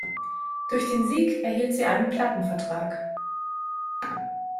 Durch den Sieg erhielt sie einen Plattenvertrag.